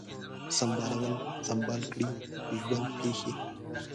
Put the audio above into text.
سمبالول ، سمبال کړی ، ژوند پیښې